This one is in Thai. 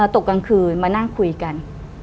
ตกกลางคืนมานั่งคุยกัน